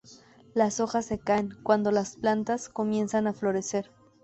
Las hojas se caen cuando las plantas comienzan a florecer.